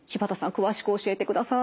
詳しく教えてください。